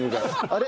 あれ？